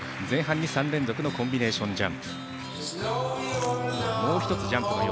前半３連続のコンビネーションジャンプ。